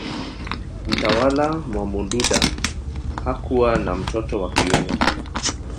Mtawala Mwamududa hakuwa na mtoto wa kiume